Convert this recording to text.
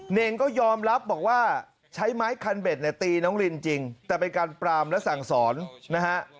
เน่งก็ยอมรับบอกว่าใช้ไม้คันเบ็ดเนี่ยตีน้องรินจริงแต่เป็นการปรามและสั่งสอนนะฮะ